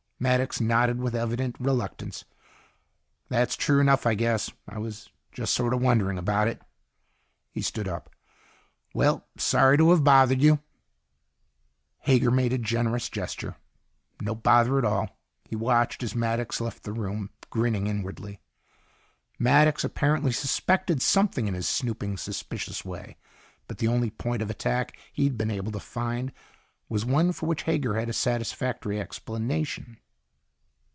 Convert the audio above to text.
Maddox nodded with evident reluctance. "That's true enough, I guess. I was just sort of wondering about it." He stood up. "Well, sorry to have bothered you." Hager made a generous gesture. "No bother at all." He watched as Maddox left the room, grinning inwardly. Maddox apparently suspected something in his snooping, suspicious way, but the only point of attack he'd been able to find was one for which Hager had a satisfactory explanation.